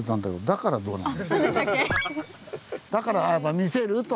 だからあっ見せると。